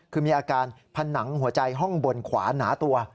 คือมีอาการผนังหัวใจห้องบนขวาหนาตัว